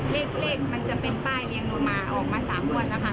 เลขมันจะเป็นป้ายเลี่ยงลงมา๓วันนะคะ